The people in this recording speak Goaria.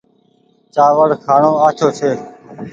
چآوڙ کآڻو آڇو ڇي ۔